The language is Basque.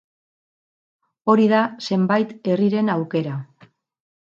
Hori da zenbait herriren aukera.